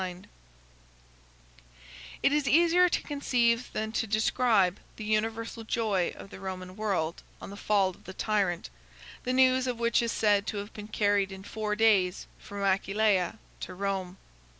] It is easier to conceive than to describe the universal joy of the Roman world on the fall of the tyrant, the news of which is said to have been carried in four days from Aquileia to Rome.